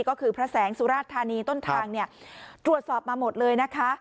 ก็คือพระแสงสุราชธานีต้นทางเนี่ยตรวจสอบมาหมดเลยนะคะ